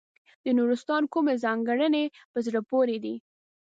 د نورستان کومې ځانګړنې په زړه پورې دي.